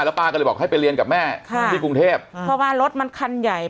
ป้าก็เลยบอกให้ไปเรียนกับแม่ค่ะที่กรุงเทพเพราะว่ารถมันคันใหญ่